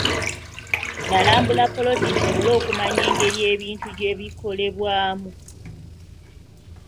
Nalambula ppoloti nsobole okumanya engeri ebintu gye bikolebwamu.